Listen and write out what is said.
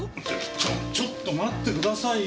ちょちょっと待ってくださいよ。